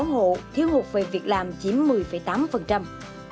năm mươi ba một trăm chín mươi sáu hộ thiếu hụt về việc làm chiếm một mươi tám